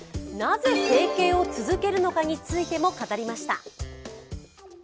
なぜ整形を続けるのかについても語りました。